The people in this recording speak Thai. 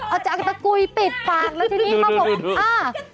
เอาจากตะกุยปิดปากแล้วทีนี้เขาบอกอ่า